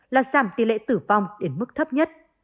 là giảm tỷ lệ tử vong đến mức thấp nhất